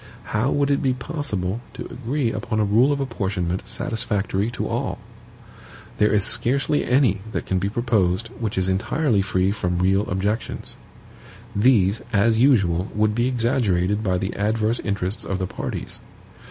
How would it be possible to agree upon a rule of apportionment satisfactory to all? There is scarcely any that can be proposed which is entirely free from real objections. These, as usual, would be exaggerated by the adverse interest of the parties.